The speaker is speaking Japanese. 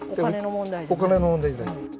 お金の問題じゃないと。